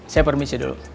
saya permisi dulu